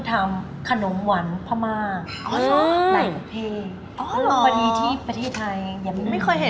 ไม่ยังไม่จับ